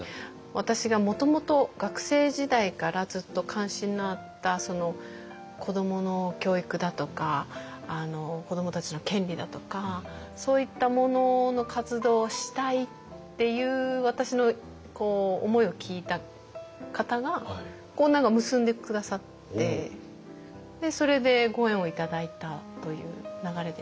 私がもともと学生時代からずっと関心のあった子どもの教育だとか子どもたちの権利だとかそういったものの活動をしたいっていう私の思いを聞いた方がこう何か結んで下さってそれでご縁を頂いたという流れでしたね。